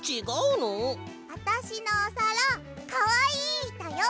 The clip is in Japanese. あたしのおさらかわいいだよ！